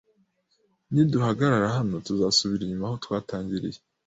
Niduhagarara hano, tuzasubira inyuma aho twatangiriye!